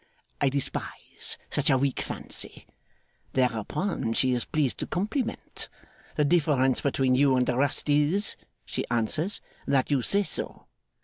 I despise such a weak fantasy." Thereupon she is pleased to compliment. "The difference between you and the rest is," she answers, "that you say so."